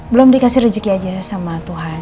belum dikasih rezeki aja sama tuhan